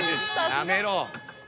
やめろ！